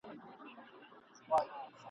هر قدم مي لکه سیوری لېونتوب را سره مل دی !.